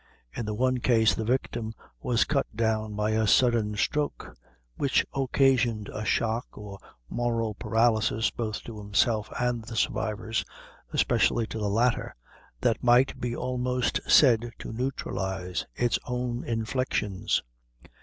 In the one case, the victim was cut down by a sudden stroke, which occasioned a shock or moral paralysis both to himself and the survivors especially to the latter that might, be almost said to neutralize its own inflictions.